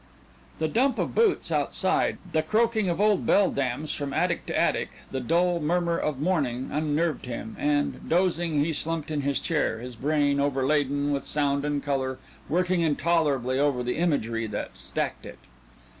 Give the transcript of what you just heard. The clump of boots outside, the croaking of old beldames from attic to attic, the dull murmur of morning, unnerved him, and, dozing, he slumped in his chair, his brain, overladen with sound and color, working intolerably over the imagery that stacked it.